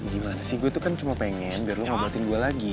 gimana sih gue tuh kan cuma pengen biar lo ngebotin gue lagi